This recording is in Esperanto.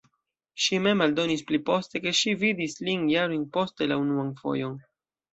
Ŝi mem aldonis pli poste, ke ŝi vidis lin jarojn poste la unuan fojon.